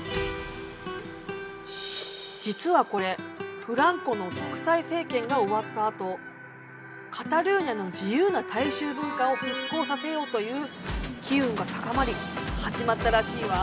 実はこれフランコの独裁政権が終わったあと「カタルーニャの自由な大衆文化を復興させよう」という機運が高まり始まったらしいわ。